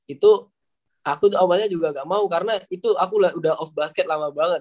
itu aku awalnya juga gak mau karena itu aku udah off basket lama banget